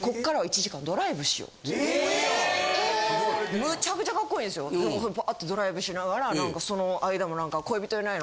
・むちゃくちゃ格好いいんですよでパァってドライブしながら何かその間も「恋人いないの？」